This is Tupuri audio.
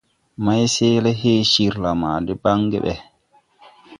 Mayseeele he cirla ma de baŋge ɓɛ.